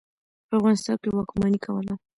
په افغانستان واکمني کوله.